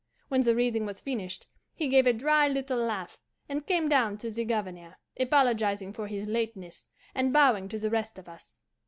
When the reading was finished, he gave a dry little laugh, and came down to the Governor, apologizing for his lateness, and bowing to the rest of us.